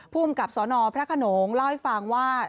ภูมิกับสนพระขนงเล่าให้ฟังว่า